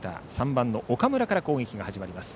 ３番、岡村から攻撃が始まります。